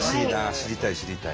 知りたい知りたい。